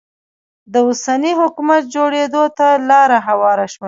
د اوسني حکومت جوړېدو ته لاره هواره شوه.